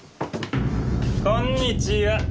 こんにちは。